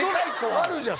あるじゃん